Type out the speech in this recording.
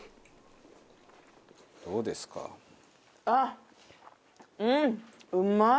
あっ！